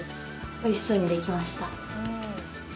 おいしそうに出来ました。